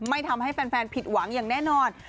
ไม่ทำให้แฟนผิดหวังอย่างแน่นอน